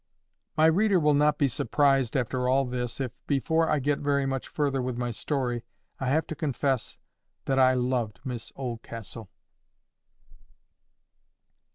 My reader will not be surprised, after all this, if, before I get very much further with my story, I have to confess that I loved Miss Oldcastle.